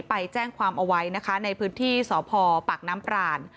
ไปแจ้งความเอาไว้นะคะในพื้นที่สพปากน้ำปราน